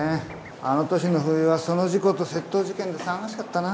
あの年の冬はその事故と窃盗事件で騒がしかったな